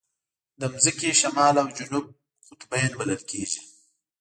د ځمکې شمال او جنوب قطبین بلل کېږي.